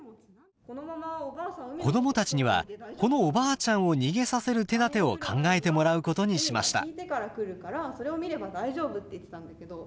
子どもたちにはこのおばあちゃんを逃げさせる手だてを考えてもらうことにしました。